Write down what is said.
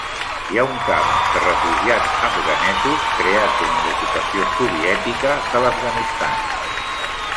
Hi ha un camp de refugiats afganesos creat durant l'ocupació soviètica de l'Afganistan.